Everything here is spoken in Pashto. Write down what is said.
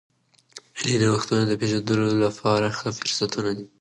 مېلې د نوښتو د پېژندلو له پاره ښه فرصتونه دي.